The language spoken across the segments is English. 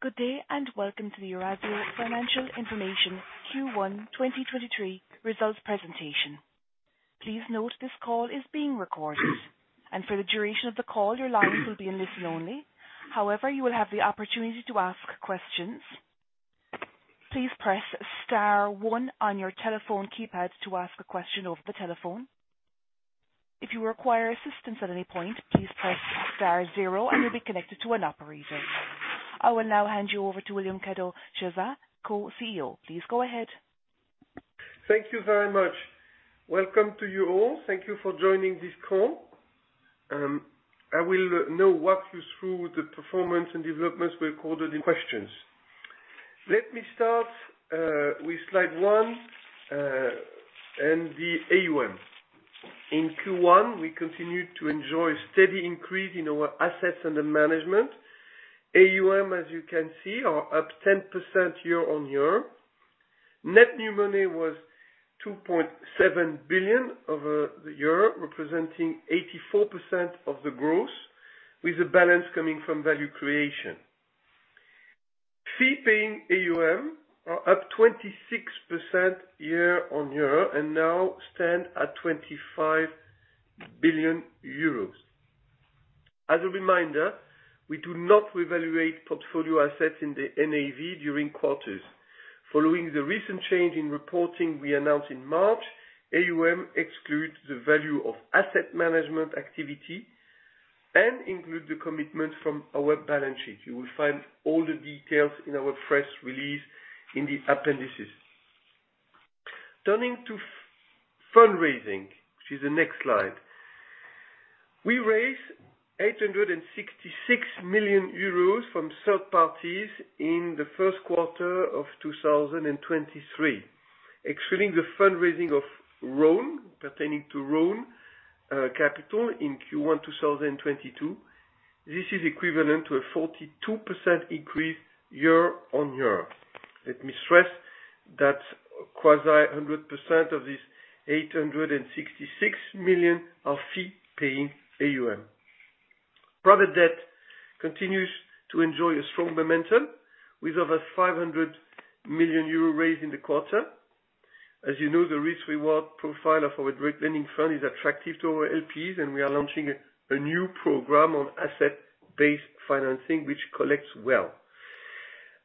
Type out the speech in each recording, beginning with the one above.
Good day, and welcome to the Eurazeo Financial Information Q1 2023 results presentation. Please note this call is being recorded, and for the duration of the call, your lines will be in listen only. However, you will have the opportunity to ask questions. Please press star one on your telephone keypad to ask a question over the telephone. If you require assistance at any point, please press star zero, and you'll be connected to an operator. I will now hand you over to William Kadouch-Chassaing, Co-CEO. Please go ahead. Thank you very much. Welcome to you all. Thank you for joining this call. I will now walk you through the performance and developments we included in questions. Let me start with slide one and the AUM. In Q1, we continued to enjoy steady increase in our assets under management. AUM, as you can see, are up 10% year-over-year. Net new money was 2.7 billion over the year, representing 84% of the growth, with the balance coming from value creation. Fee paying AUM are up 26% year-over-year, and now stand at 25 billion euros. As a reminder, we do not reevaluate portfolio assets in the NAV during quarters. Following the recent change in reporting we announced in March, AUM excludes the value of asset management activity and includes the commitment from our balance sheet. You will find all the details in our press release in the appendices. Turning to fundraising, which is the next slide. We raised 866 million euros from third parties in the first quarter of 2023. Excluding the fundraising of Rhône, pertaining to Rhône Capital in Q1 2022, this is equivalent to a 42% increase year-on-year. Let me stress that quasi 100% of this 866 million are fee-paying AUM. Private debt continues to enjoy a strong momentum with over 500 million euro raised in the quarter. As you know, the risk-reward profile of our direct lending fund is attractive to our LPs, and we are launching a new program on asset-based financing, which collects well.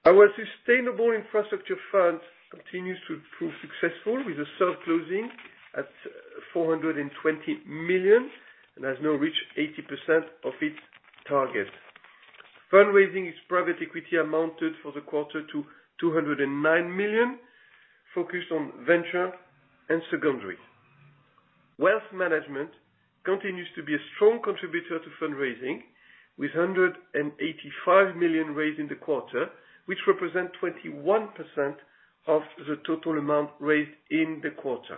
Our sustainable infrastructure fund continues to prove successful with the self-closing at 420 million and has now reached 80% of its target. Fundraising is private equity amounted for the quarter to 209 million, focused on venture and secondaries. Wealth Management continues to be a strong contributor to fundraising with 185 million raised in the quarter, which represent 21% of the total amount raised in the quarter.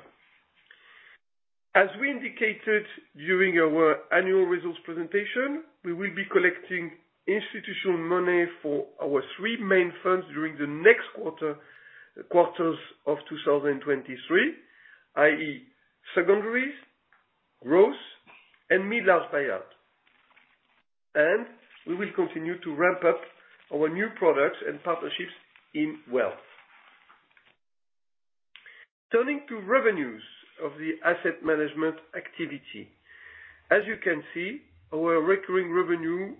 As we indicated during our annual results presentation, we will be collecting institutional money for our three main funds during the next quarters of 2023, i.e. secondaries, growth, and mid-large buyout. We will continue to ramp up our new products and partnerships in wealth. Turning to revenues of the asset management activity. As you can see, our recurring revenues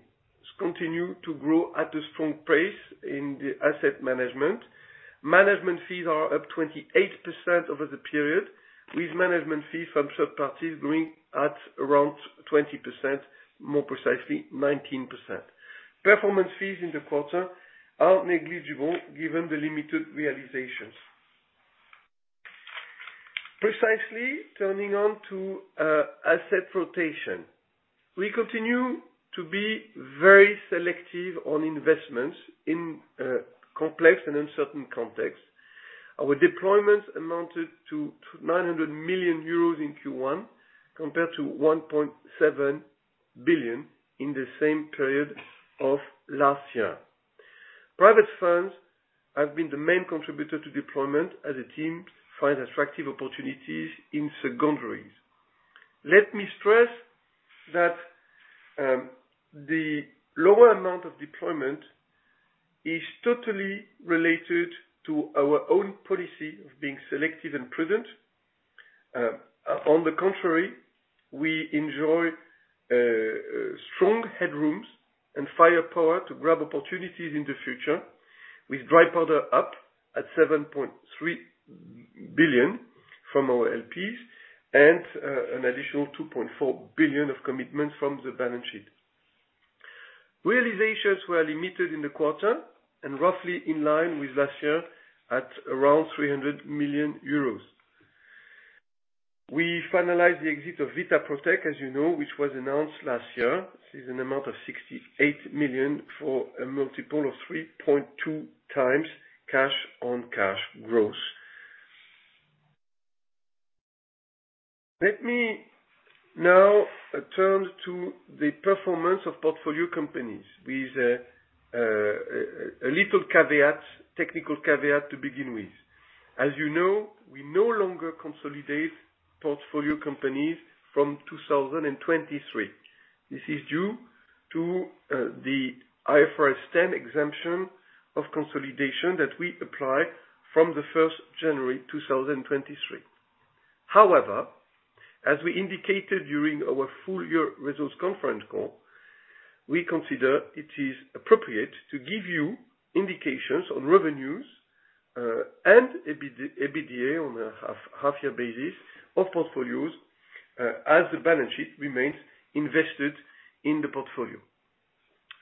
continue to grow at a strong pace in the asset management. Management fees are up 28% over the period, with management fees from third parties growing at around 20%, more precisely 19%. Performance fees in the quarter are negligible given the limited realizations. Precisely turning on to asset rotation. We continue to be very selective on investments in complex and uncertain context. Our deployments amounted to 900 million euros in Q1, compared to 1.7 billion in the same period of last year. Private funds have been the main contributor to deployment as the team find attractive opportunities in secondaries. Let me stress that the lower amount of deployment is totally related to our own policy of being selective and prudent. On the contrary, we enjoy strong headrooms and firepower to grab opportunities in the future with dry powder up at 7.3 billion from our LPs and an additional 2.4 billion of commitment from the balance sheet. Realizations were limited in the quarter and roughly in line with last year at around 300 million euros. We finalized the exit of Vitaprotech, as you know, which was announced last year, is an amount of 68 million for a multiple of 3.2x cash-on-cash gross. Let me now turn to the performance of portfolio companies with a little caveat, technical caveat to begin with. As you know, we no longer consolidate portfolio companies from 2023. This is due to the IFRS 10 exemption of consolidation that we apply from January 1, 2023. However, as we indicated during our full-year results conference call, we consider it is appropriate to give you indications on revenues, and EBITDA on a half-year basis of portfolios, as the balance sheet remains invested in the portfolio.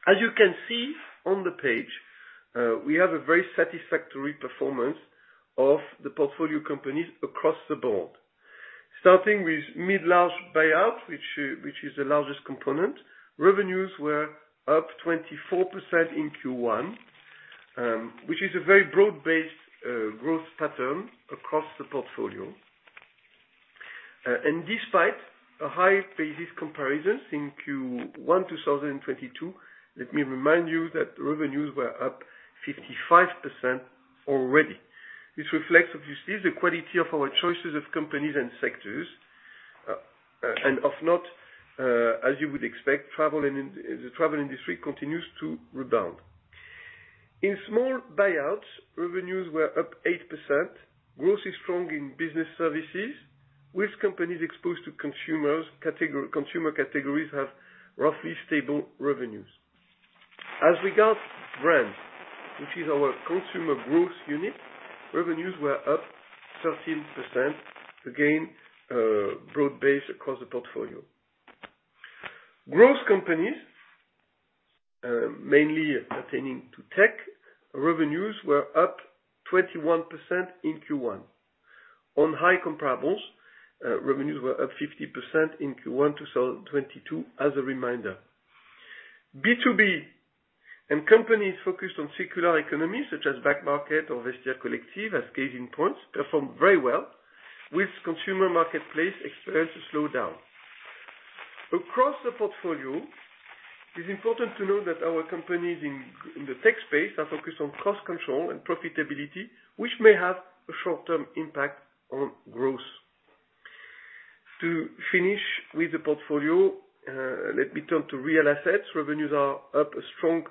As you can see on the page, we have a very satisfactory performance of the portfolio companies across the board. Starting with mid-large buyouts, which is the largest component, revenues were up 24% in Q1, which is a very broad-based growth pattern across the portfolio. Despite a high basis comparison in Q1 2022, let me remind you that revenues were up 55% already. This reflects, if you see, the quality of our choices of companies and sectors, and of not, as you would expect, the travel industry continues to rebound. In small buyouts, revenues were up 8%. Growth is strong in business services with companies exposed to consumers. Consumer categories have roughly stable revenues. As regards brands, which is our consumer growth unit, revenues were up 13%. Again, broad-based across the portfolio. Growth companies, mainly pertaining to tech, revenues were up 21% in Q1. On high comparables, revenues were up 50% in Q1 2022, as a reminder. B2B and companies focused on circular economy, such as Back Market or Vestiaire Collective, as case in point, performed very well, with consumer marketplace experience a slowdown. Across the portfolio, it's important to know that our companies in the tech space are focused on cost control and profitability, which may have a short-term impact on growth. To finish with the portfolio, let me turn to real assets. Revenues are up a strong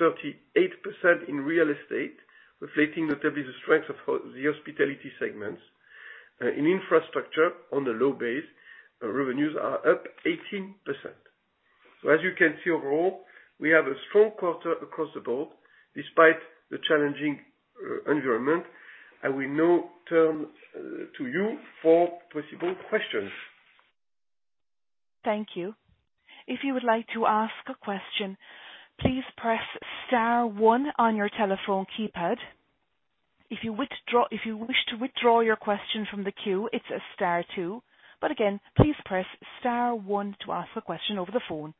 38% in real estate, reflecting notably the strength of the hospitality segments. In infrastructure on a low base, revenues are up 18%. As you can see, overall, we have a strong quarter across the board despite the challenging environment. I will now turn to you for possible questions. Thank you. If you would like to ask a question, please press star one on your telephone keypad. If you wish to withdraw your question from the queue, it's star two. Again, please press star one to ask a question over the phone.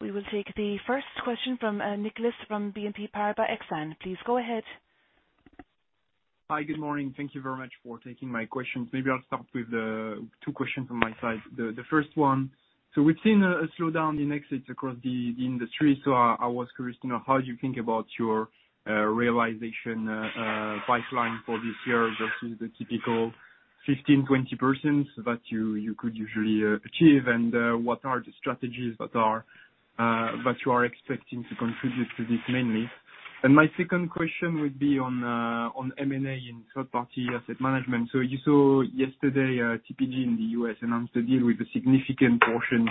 We will take the first question from Nicolas from BNP Paribas Exane. Please go ahead. Hi, good morning. Thank you very much for taking my questions. Maybe I'll start with two questions from my side. The first one, we've seen a slowdown in exits across the industry. I was curious to know how you think about your realization pipeline for this year versus the typical 15%-20% that you could usually achieve. What are the strategies that are that you are expecting to contribute to this mainly? My second question would be on M&A in third-party asset management. You saw yesterday TPG in the U.S. announced a deal with a significant portion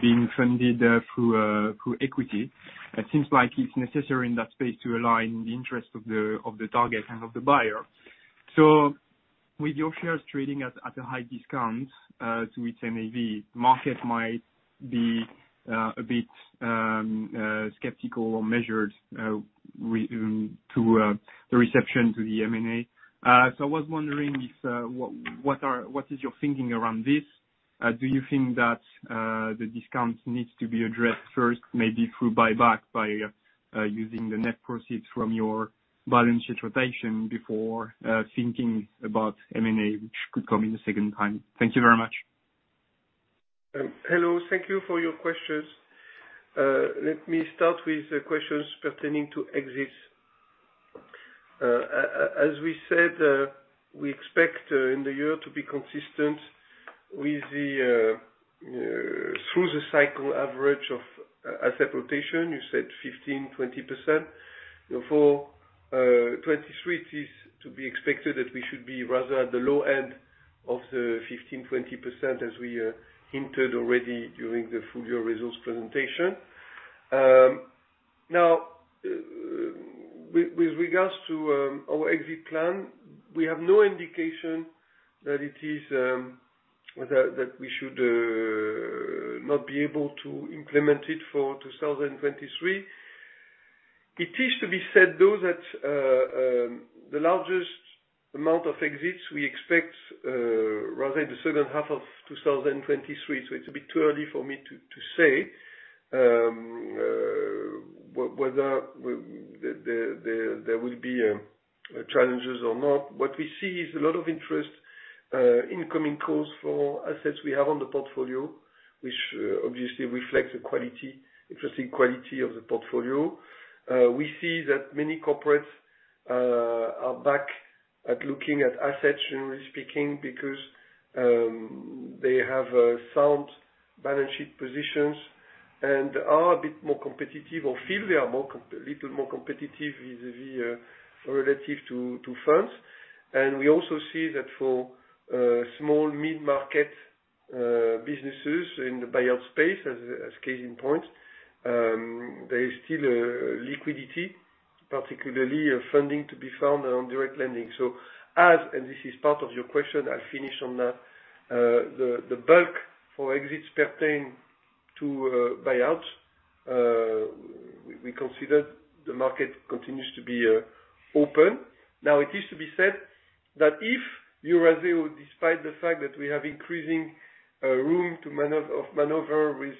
being funded through equity. It seems like it's necessary in that space to align the interest of the target and of the buyer. With your shares trading at a high discount to its NAV, market might be a bit skeptical or measured to the reception to the M&A. I was wondering if what is your thinking around this? Do you think that the discount needs to be addressed first, maybe through buyback by using the net proceeds from your balance sheet rotation before thinking about M&A, which could come in the second time? Thank you very much. Hello. Thank you for your questions. Let me start with the questions pertaining to exits. As we said, we expect in the year to be consistent with the through-the-cycle average of asset rotation, you said 15%-20%. For 2023, it is to be expected that we should be rather at the low end of the 15%-20% as we hinted already during the full-year results presentation. Now, with regards to our exit plan, we have no indication that it is that we should not be able to implement it for 2023. It is to be said, though, that the largest amount of exits we expect rather in the second half of 2023, so it's a bit too early for me to say whether there will be challenges or not. What we see is a lot of interest, incoming calls for assets we have on the portfolio. Which obviously reflects the quality, interesting quality of the portfolio. We see that many corporates are back at looking at assets, generally speaking, because they have sound balance sheet positions and are a bit more competitive or feel they are little more competitive vis-a-vis relative to funds. We also see that for small, mid-market businesses in the buyout space, as case in point, there is still liquidity, particularly of funding to be found on direct lending. As, and this is part of your question, I'll finish on that. The bulk for exits pertain to buyout. We consider the market continues to be open. Now, it is to be said that if Eurazeo, despite the fact that we have increasing room to maneuver with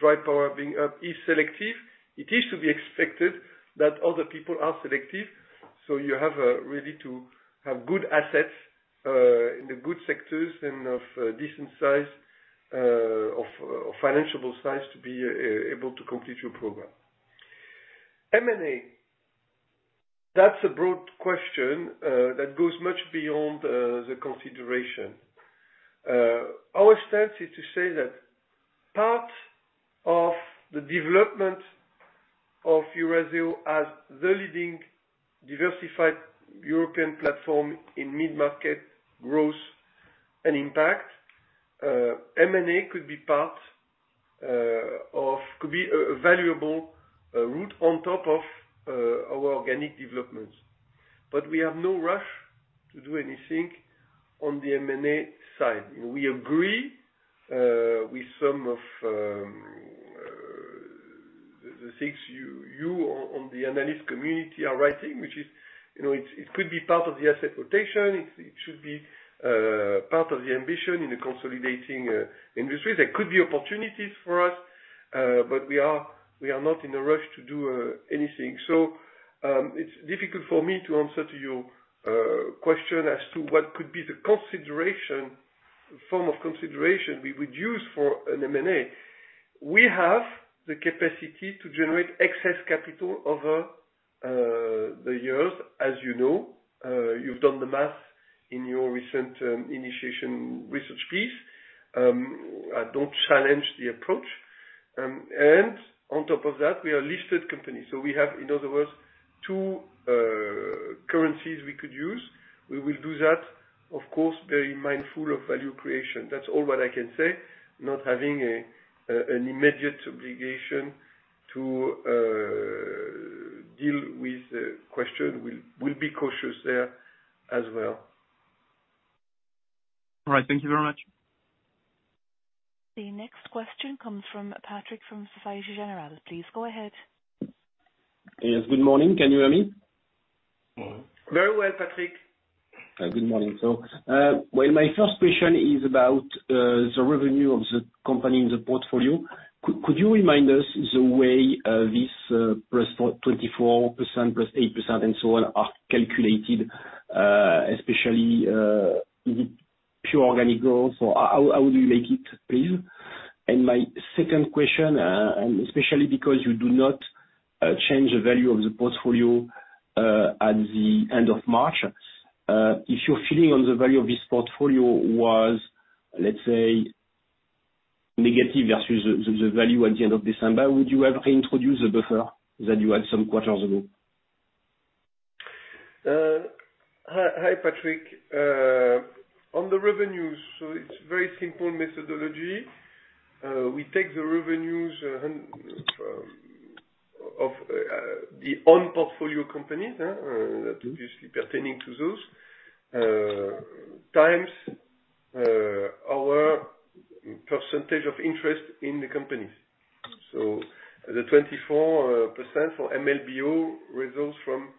dry powder being up, is selective, it is to be expected that other people are selective. You have really to have good assets in the good sectors and of decent size of financial size to be able to complete your program. M&A, that's a broad question that goes much beyond the consideration. Our stance is to say that part of the development of Eurazeo as the leading diversified European platform in mid-market growth and impact, M&A could be part of... could be a valuable route on top of our organic developments. We have no rush to do anything on the M&A side. We agree with some of the things you on the analyst community are writing, which is, you know, it could be part of the asset rotation. It should be part of the ambition in the consolidating industry. There could be opportunities for us, but we are not in a rush to do anything. It's difficult for me to answer to your question as to what could be the consideration, form of consideration we would use for an M&A. We have the capacity to generate excess capital over the years, as you know. You've done the math in your recent initiation research piece. I don't challenge the approach. On top of that, we are listed company. We have, in other words, two currencies we could use. We will do that, of course, very mindful of value creation. That's all what I can say, not having an immediate obligation to deal with the question. We'll be cautious there as well. All right. Thank you very much. The next question comes from Patrick from Société Générale. Please go ahead. Yes, good morning. Can you hear me? Morning. Very well, Patrick. Good morning, sir. My first question is about the revenue of the company in the portfolio. Could you remind us the way this +44, 24%, +8%, and so on are calculated, especially pure organic growth? How do you make it, please? My second question, especially because you do not change the value of the portfolio at the end of March, if your feeling on the value of this portfolio was, let's say, negative versus the value at the end of December, would you ever reintroduce the buffer that you had some quarters ago? Hi, Patrick. On the revenues, it's very simple methodology. We take the revenues of the own portfolio companies. Mm-hmm. that are usually pertaining to those times, our percentage of interest in the companies. The 24% for MLBO results from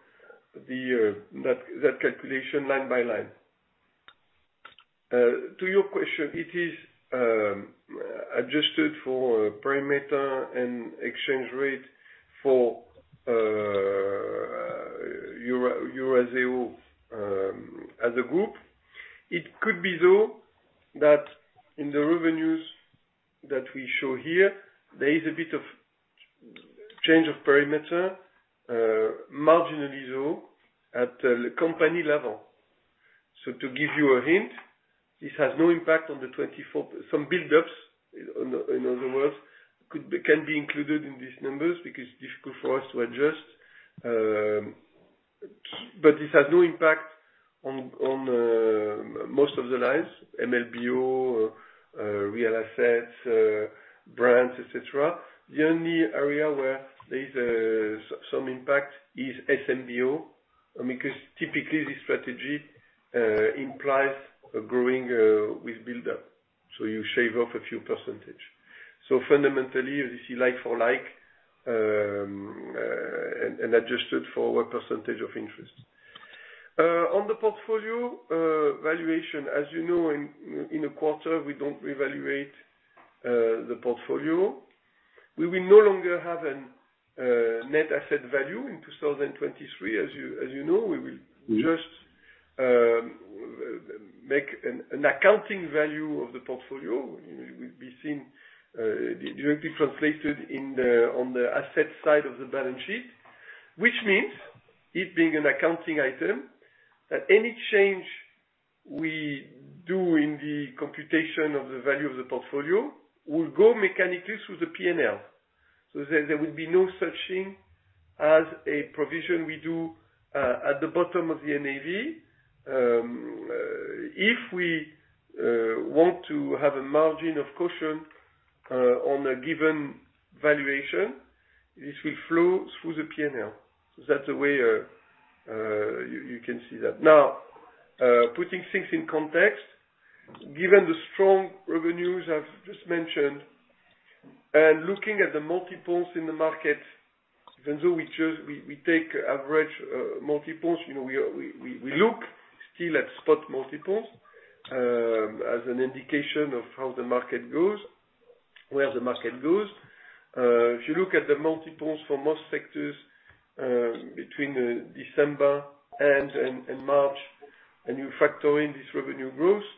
that calculation line by line. To your question, it is adjusted for parameter and exchange rate for Eurazeo as a group. It could be, though, that in the revenues that we show here, there is a bit of change of parameter, marginally though, at the company level. To give you a hint, this has no impact on the 24. Some build-ups, in other words, can be included in these numbers because it is difficult for us to adjust. This has no impact on most of the lines, MLBO, real assets, brands, et cetera. The only area where there is some impact is SMBO, because typically this strategy implies growing with build-up. You shave off a few percentage. Fundamentally this is like for like, and adjusted for what percentage of interest. On the portfolio valuation, as you know, in a quarter, we don't reevaluate the portfolio. We will no longer have a net asset value in 2023. As you know, we will. Mm-hmm ...just make an accounting value of the portfolio. It will be seen directly translated on the asset side of the balance sheet. Which means it being an accounting item, that any change we do in the computation of the value of the portfolio will go mechanically through the P&L. There will be no such thing as a provision we do at the bottom of the NAV. If we want to have a margin of caution on a given valuation, this will flow through the P&L. That's the way you can see that. Now, putting things in context, given the strong revenues I've just mentioned, and looking at the multiples in the market, even though we choose, we take average multiples, you know, we look still at spot multiples as an indication of how the market goes, where the market goes. If you look at the multiples for most sectors, between December end and March, and you factor in this revenue growth,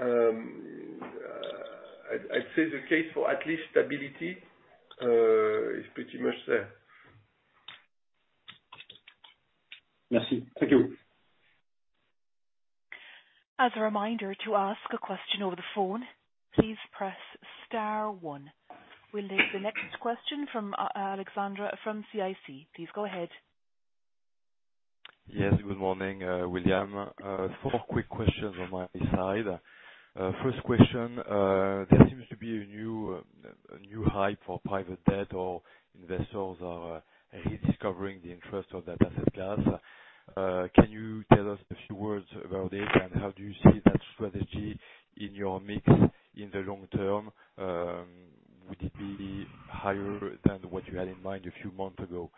I'd say the case for at least stability, is pretty much there. Merci. Thank you. As a reminder to ask a question over the phone, please press star one. We'll take the next question from Alexandre from CIC. Please go ahead. Yes, good morning, William. Four quick questions on my side. First question. There seems to be a new hype for private debt or investors are rediscovering the interest of that asset class. Can you tell us a few words about it, and how do you see that strategy in your mix in the long term? Would it be higher than what you had in mind a few months ago?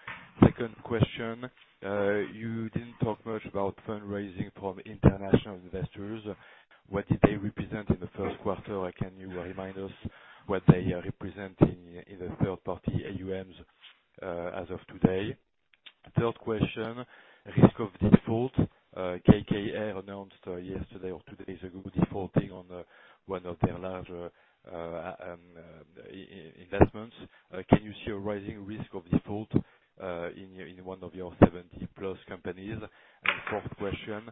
Second question. You didn't talk much about fundraising from international investors. What did they represent in the first quarter? Can you remind us what they are representing in the third-party AUMs as of today? Third question. Risk of default. KKR announced yesterday or two days ago, defaulting on one of their larger investments. Can you see a rising risk of default, in one of your 70+ companies? Fourth question.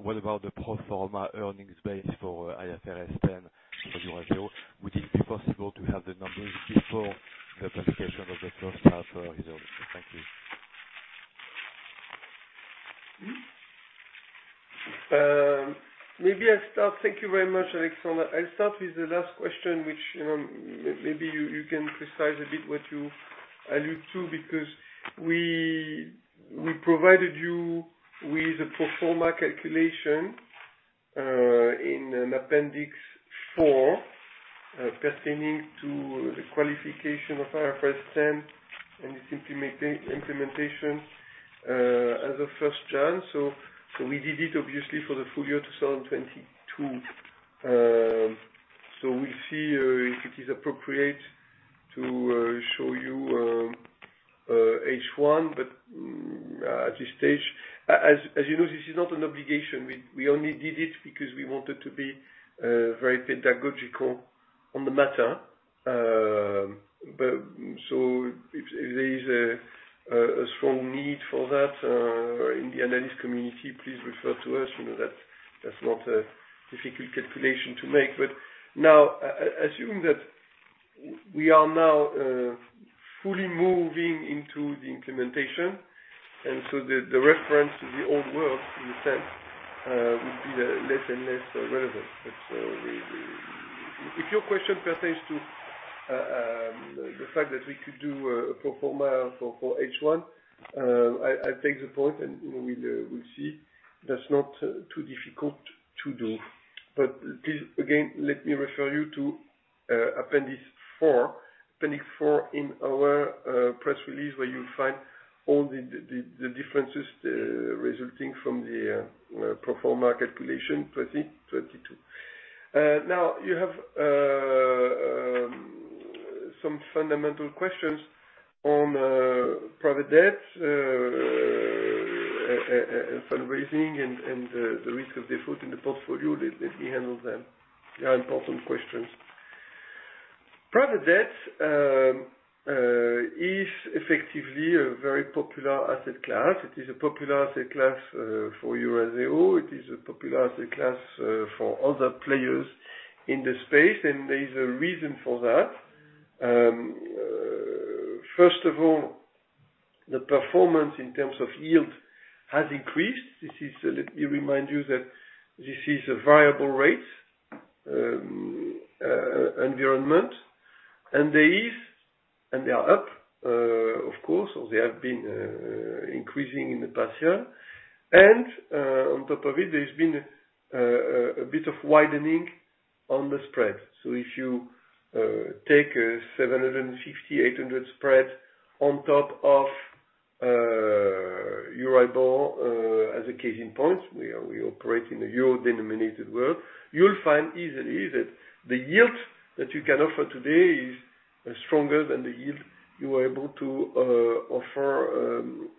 What about the pro-forma earnings base for IFRS 10 for Eurazeo? Would it be possible to have the numbers before the publication of the first-half results? Thank you. Maybe I'll start. Thank you very much, Alexandre. I'll start with the last question, which maybe you can precise a bit what you allude to, because we provided you with a pro-forma calculation in an Appendix Four pertaining to the qualification of IFRS 10 and its implementation as of January 1. We did it obviously for the full year 2022. We'll see if it is appropriate to show you H1, but at this stage... As you know, this is not an obligation. We only did it because we wanted to be very pedagogical on the matter. If there is a strong need for that in the analyst community, please refer to us. You know that's not a difficult calculation to make. Now, assuming that we are now fully moving into the implementation, and so the reference to the old world in a sense would be less and less relevant. If your question pertains to the fact that we could do a pro-forma for H1, I take the point and, you know, we'll see. That's not too difficult to do. Please, again, let me refer you to Appendix Four. Appendix four in our press release, where you'll find all the differences resulting from the pro-forma calculation 2022. Now you have some fundamental questions on private debt fundraising and the risk of default in the portfolio. Let me handle them. They are important questions. Private debt is effectively a very popular asset class. It is a popular asset class for Eurazeo. It is a popular asset class for other players in the space, and there is a reason for that. First of all, the performance in terms of yield has increased. This is, let me remind you that this is a variable-rate environment, and they are up, of course, or they have been increasing in the past year. On top of it, there's been a bit of widening on the spread. If you take a 750-800 spread on top of EURIBOR, as a case in point, we operate in a Euro-denominated world. You'll find easily that the yield that you can offer today is stronger than the yield you were able to offer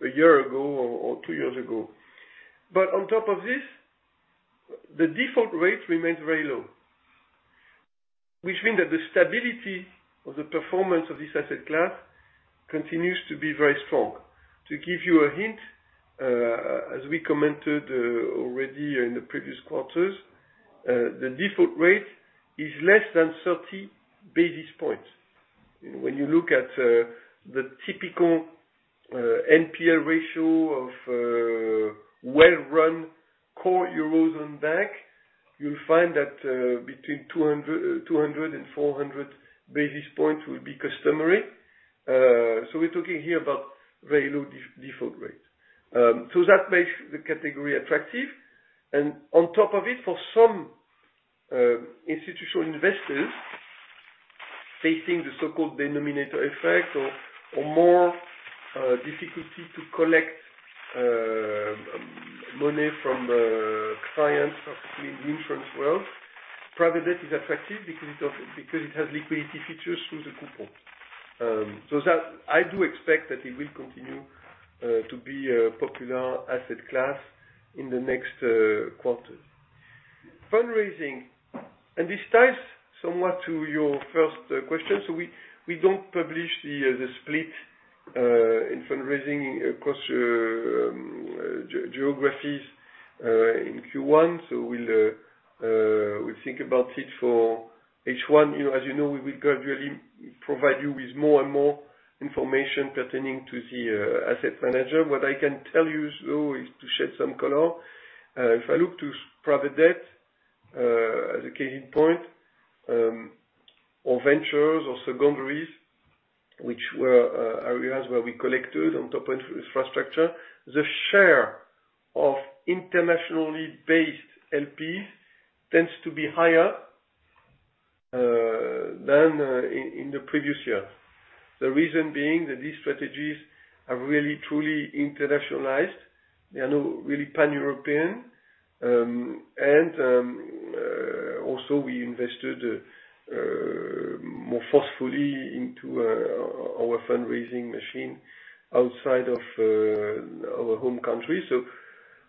a year ago or two years ago. On top of this, the default rate remains very low, which means that the stability of the performance of this asset class continues to be very strong. To give you a hint, as we commented already in the previous quarters, the default rate is less than 30 basis points. When you look at the typical NPL ratio of well-run core Eurozone bank, you'll find that between 200 and 400 basis points will be customary. We're talking here about very low default rates. That makes the category attractive. On top of it, for some institutional investors, facing the so-called denominator effect or more difficulty to collect money from clients, particularly in the insurance world, private debt is attractive because it has liquidity features through the coupon. I do expect that it will continue to be a popular asset class in the next quarters. Fundraising. This ties somewhat to your first question. We don't publish the split in fundraising across geographies in Q1. We'll think about it for H1. You know, as you know, we will gradually provide you with more and more information pertaining to the asset manager. What I can tell you, though, is to shed some color. If I look to private debt, as a case in point, or ventures or secondaries, which were areas where we collected on top of infrastructure, the share of internationally based LPs tends to be higher than in the previous year. The reason being that these strategies are really, truly internationalized. They are now really pan-European. Also, we invested more forcefully into our fundraising machine outside of our home country.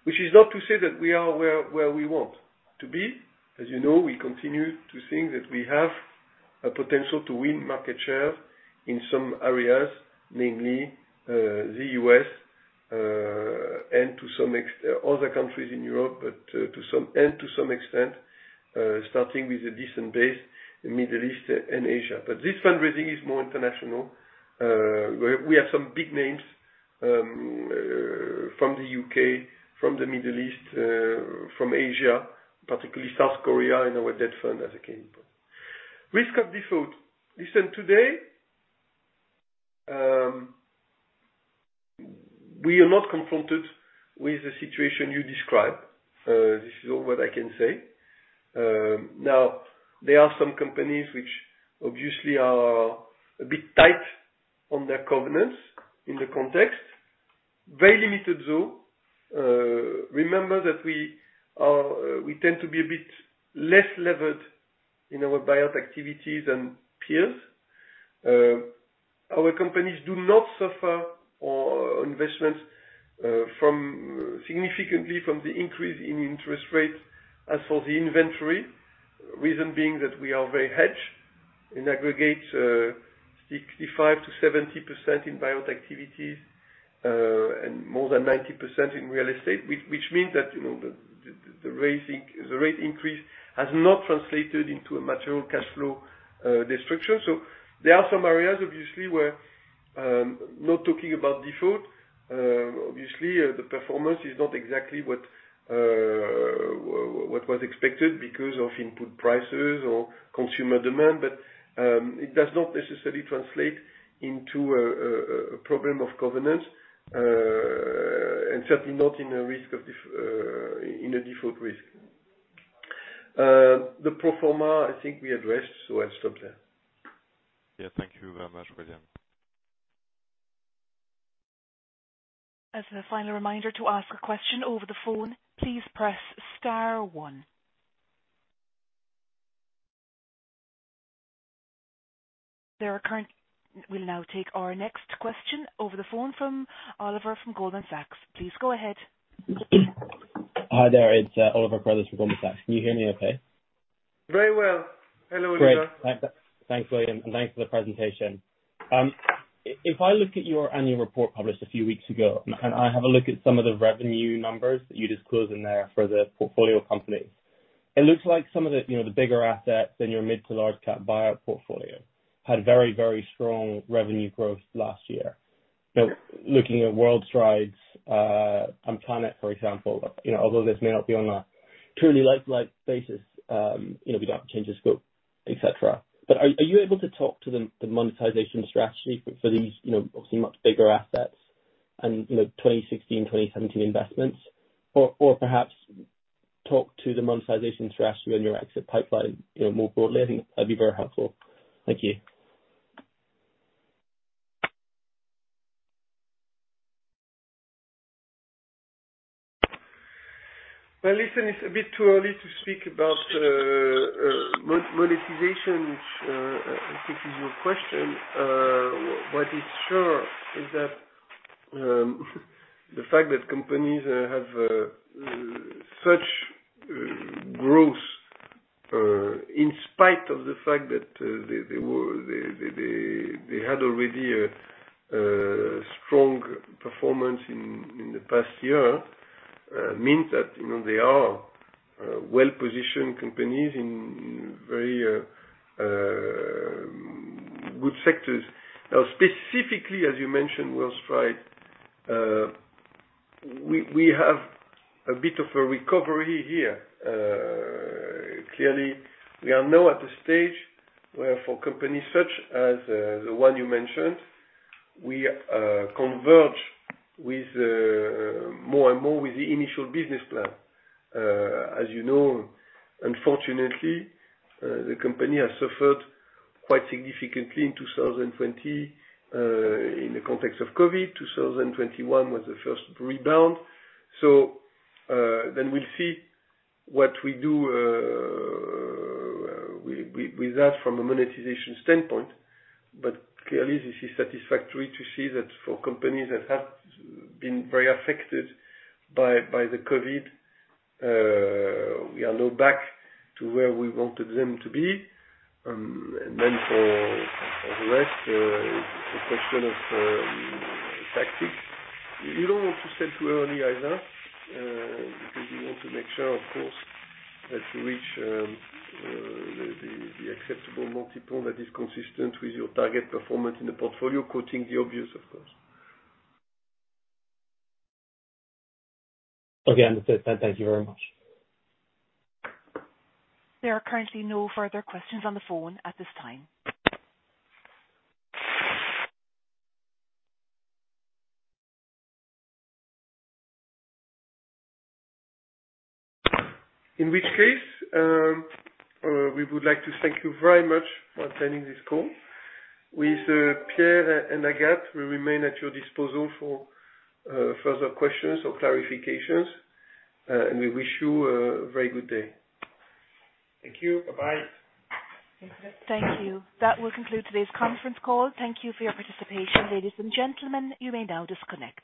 Which is not to say that we are where we want to be. As you know, we continue to think that we have a potential to win market share in some areas, mainly the U.S., and to some extent, other countries in Europe, but to some extent, starting with a decent base in the Middle East and Asia. This fundraising is more international. We have some big names from the U.K., from the Middle East, from Asia, particularly South Korea, in our debt fund as a case in point. Risk of default. Listen, today, we are not confronted with the situation you describe. This is all what I can say. Now, there are some companies which obviously are a bit tight on their covenants in the context. Very limited, though. Remember that we tend to be a bit less levered in our buyout activities than peers. Our companies do not suffer, or investments, from significantly from the increase in interest rates. As for the inventory, reason being that we are very hedged. In aggregate, 65%-70% in buyout activities, and more than 90% in real estate, which means that, you know, the raising, the rate increase has not translated into a material cash flow destruction. There are some areas, obviously, where not talking about default, obviously, the performance is not exactly what was expected because of input prices or consumer demand. It does not necessarily translate into a problem of governance, and certainly not in a risk of default risk. The pro-forma, I think we addressed, so I'll stop there. Yeah. Thank you very much, William. As a final reminder, to ask a question over the phone, please press star one. We'll now take our next question over the phone from Oliver from Goldman Sachs. Please go ahead. Hi there. It's Oliver Carruthers from Goldman Sachs. Can you hear me okay? Very well. Hello, Oliver. Great. Thanks, William, and thanks for the presentation. If I look at your annual report published a few weeks ago, and I have a look at some of the revenue numbers that you disclose in there for the portfolio companies, it looks like some of the, you know, the bigger assets in your mid-to-large cap-buyout portfolio had very, very strong revenue growth last year. Now, looking at WorldStrides and Planet, for example, you know, although this may not be on a truly like-like basis, you know, without change of scope, et cetera. Are you able to talk to the monetization strategy for these, you know, obviously much bigger assets and, you know, 2016, 2017 investments? Or perhaps talk to the monetization strategy on your exit pipeline, you know, more broadly? I think that'd be very helpful. Thank you. Well, listen, it's a bit too early to speak about monetization, which I think is your question. What is sure is that the fact that companies have such growth in spite of the fact that they had already a strong performance in the past year, means that, you know, they are well-positioned companies in very good sectors. Specifically, as you mentioned, WorldStrides, we have a bit of a recovery here. Clearly, we are now at the stage where for companies such as the one you mentioned, we converge with more and more with the initial business plan. As you know, unfortunately, the company has suffered quite significantly in 2020 in the context of COVID. 2021 was the first rebound. We'll see what we do with that from a monetization standpoint. Clearly this is satisfactory to see that for companies that have been very affected by the COVID, we are now back to where we wanted them to be. For the rest, it's a question of tactics. You don't want to sell too early either, because you want to make sure, of course, that you reach the acceptable multiple that is consistent with your target performance in the portfolio, quoting the obvious, of course. Okay, understood. Thank you very much. There are currently no further questions on the phone at this time. In which case, we would like to thank you very much for attending this call. With Pierre and Agathe, we remain at your disposal for further questions or clarifications. We wish you a very good day. Thank you. Bye-bye. Thank you. That will conclude today's conference call. Thank you for your participation. Ladies and gentlemen, you may now disconnect.